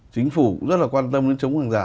chính phủ rất là quan tâm đến chống hàng giả